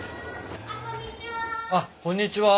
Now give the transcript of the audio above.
あっこんにちは。